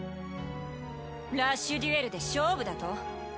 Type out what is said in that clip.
ラッシュデュエルで勝負だと？